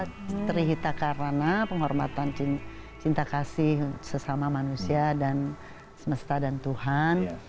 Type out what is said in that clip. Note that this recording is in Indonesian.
terhita karana penghormatan cinta kasih sesama manusia dan semesta dan tuhan